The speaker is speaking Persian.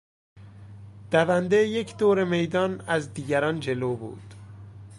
دونده یک دور میدان از دیگران جلو بود.